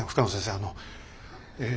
あのええ。